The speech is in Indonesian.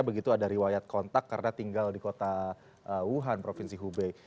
begitu ada riwayat kontak karena tinggal di kota wuhan provinsi hubei